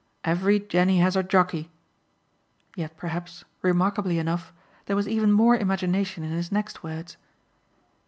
"Every Jenny has her Jockey!" Yet perhaps remarkably enough there was even more imagination in his next words.